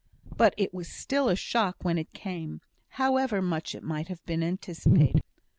But it was still a shock when it came, however much it might have been anticipated.